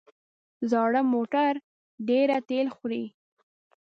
زاړه موټر ډېره تېل خوري.